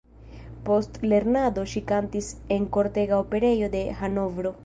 Post lernado ŝi kantis en kortega operejo de Hanovro.